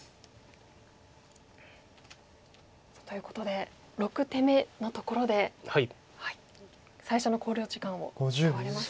さあということで６手目のところで最初の考慮時間を取られましたね。